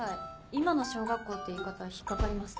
「今の小学校」って言い方引っ掛かります。